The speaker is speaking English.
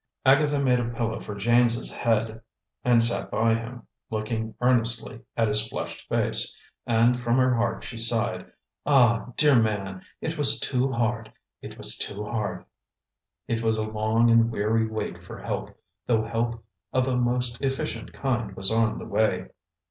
Agatha made a pillow for James's head and sat by him, looking earnestly at his flushed face; and from her heart she sighed, "Ah, dear man, it was too hard! It was too hard!" It was a long and weary wait for help, though help of a most efficient kind was on the way.